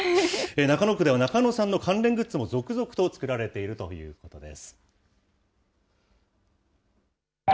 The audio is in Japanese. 中野区ではナカノさんの関連グッズも続々と作られているということです。